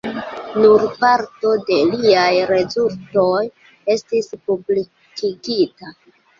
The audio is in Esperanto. Nur parto de liaj rezultoj estis publikigita.